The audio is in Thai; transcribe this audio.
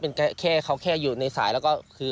เป็นแค่อยู่ในสายแล้ว